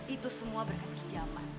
itu semua berkait hijaman